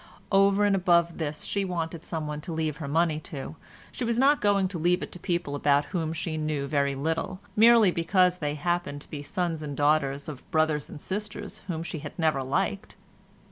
Over and above this she wanted someone to leave her money to; she was not going to leave it to people about whom she knew very little, merely because they happened to be sons and daughters of brothers and sisters whom she had never liked.